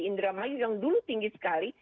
indramayu yang dulu tinggi sekali